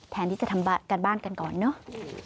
แทนที่จะทำการบ้านกันก่อนเนอะ